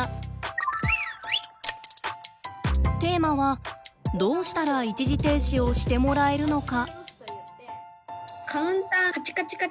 テーマはどうしたら一時停止をしてもらえるのか。